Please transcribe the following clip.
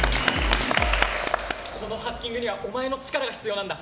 このハッキングにはお前の力が必要なんだ。